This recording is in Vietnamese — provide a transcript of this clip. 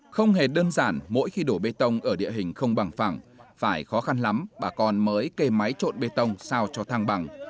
không hề đơn giản mỗi khi đổ bê tông ở địa hình không bằng phẳng phải khó khăn lắm bà con mới kề máy trộn bê tông sao cho thang bằng